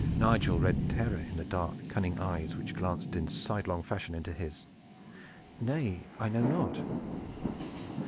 Nigel read terror in the dark cunning eyes which glanced in sidelong fashion into his. "Nay, I know not."